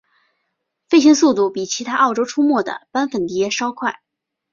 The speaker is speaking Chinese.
飞行速度比其他澳洲出没的斑粉蝶稍快。